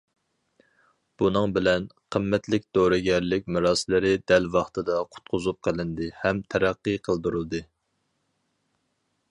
بۇنىڭ بىلەن، قىممەتلىك دورىگەرلىك مىراسلىرى دەل ۋاقتىدا قۇتقۇزۇپ قىلىندى ھەم تەرەققىي قىلدۇرۇلدى.